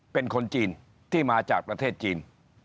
เป็นคนจีนที่มาจากประเทศจีน